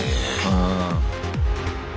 うん。